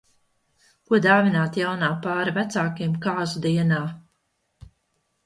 Ko dāvināt jaunā pāra vecākiem kāzu dienā?